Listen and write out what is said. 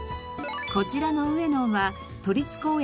こちらのうえのんは都立公園